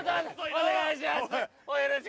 お願いします。